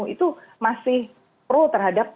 itu masih pro terhadap